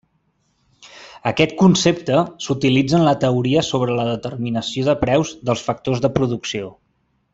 Aquest concepte s'utilitza en la teoria sobre la determinació de preus dels factors de producció.